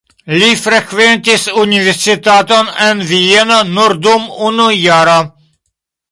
Li frekventis universitaton en Vieno nur dum unu jaro.